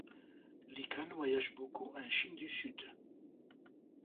Li Kan voyage beaucoup en Chine du Sud.